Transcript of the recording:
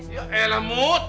ya elah mut